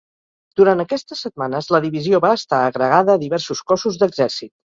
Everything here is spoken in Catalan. Durant aquestes setmanes la divisió va estar agregada a diversos cossos d'exèrcit.